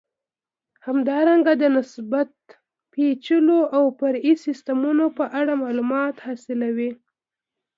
همدارنګه د نسبتا پېچلو او فرعي سیسټمونو په اړه معلومات حاصلوئ.